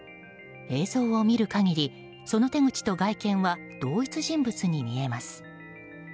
映像を見る限りその手口と外見は同一人物に見えます。